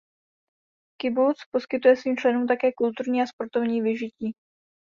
Kibuc poskytuje svým členům také kulturní a sportovní vyžití.